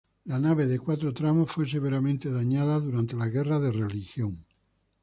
La nave de cuatro tramos fue severamente dañada durante las guerras de religión.